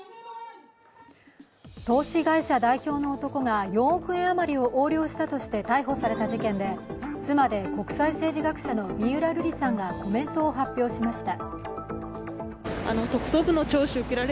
投資会社代表の男が４億円余りを横領したとして逮捕された事件で妻で国際政治学者の三浦瑠麗さんがコメントを発表しました。